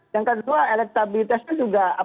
yang kedua elektabilitasnya juga